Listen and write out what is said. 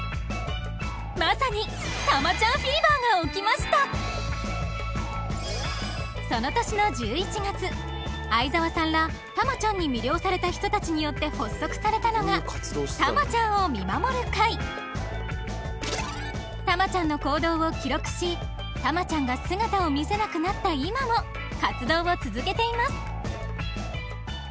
まさにが起きましたその年の１１月相澤さんらタマちゃんに魅了された人たちによって発足されたのが「タマちゃんを見守る会」タマちゃんの行動を記録しタマちゃんが姿を見せなくなった今も活動を続けています